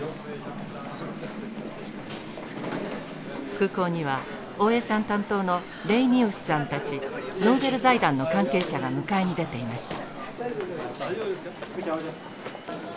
空港には大江さん担当のレイニウスさんたちノーベル財団の関係者が迎えに出ていました。